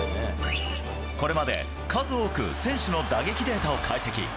これまで数多く選手の打撃データを解析。